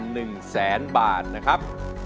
หนึ่งแสนบาทนะครับ